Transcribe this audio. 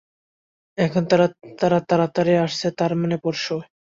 এখন, তারা তারাতাড়ি আসছে তারমানে পরশু।